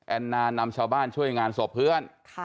แอนนานำชาวบ้านช่วยงานศพเพื่อน